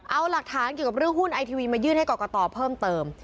เอาหลักฐานเกี่ยวกับเรื่องหุ้นไอทีวีมายื่นให้กรกตเพิ่มเติม